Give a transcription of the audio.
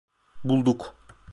Bulduk.